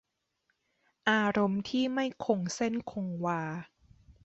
อารมณ์ที่ไม่คงเส้นคงวา